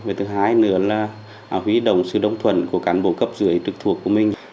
với thứ hai nữa là huy động sự đồng thuận của cán bộ cấp dưới trực thuộc của mình